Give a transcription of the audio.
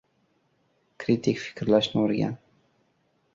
Kritik fikrlashni oʻrgan.